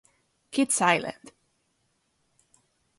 Kitts Island".